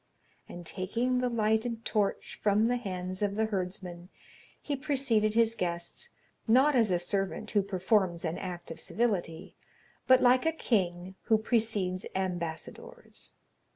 And taking the lighted torch from the hands of the herdsman, he preceded his guests, not as a servant who performs an act of civility, but like a king who precedes ambassadors.